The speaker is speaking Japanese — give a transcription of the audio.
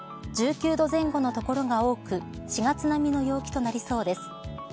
１９度前後の所が多く４月並みの陽気となりそうです。